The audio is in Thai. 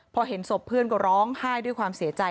พอเห็นศพเพื่อนก็ร้องไห้ด้วยความเสียใจ